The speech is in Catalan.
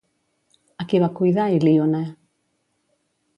A qui va cuidar Ilíone?